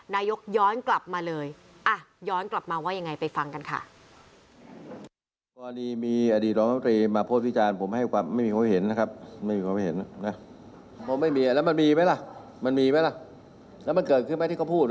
นายกย้อนกลับมาเลยย้อนกลับมาว่ายังไงไปฟังกันค่ะ